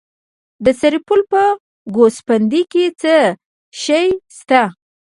د سرپل په ګوسفندي کې څه شی شته؟